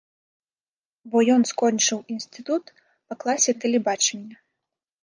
Бо ён скончыў інстытут па класе тэлебачання.